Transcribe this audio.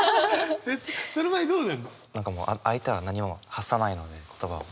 何かもう相手は何も発さないので言葉を。